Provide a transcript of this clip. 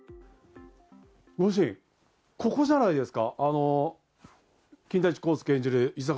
ご主人、ここじゃないですか？